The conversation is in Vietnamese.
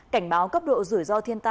cảnh báo cấp độ rủi ro thiên tộc